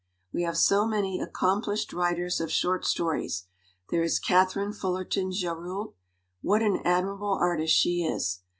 We have so many accomplished writers of short stories. There is Katharine Fullerton Gerould. What an admi rable artist she is